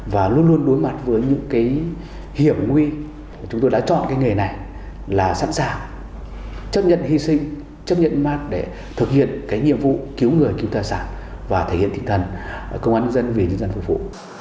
và luôn luôn đối mặt với những cái hiểm nguy chúng tôi đã chọn cái nghề này là sẵn sàng chấp nhận hy sinh chấp nhận mát để thực hiện cái nhiệm vụ cứu người cứu tài sản và thể hiện tinh thần công an dân vì nhân dân phục vụ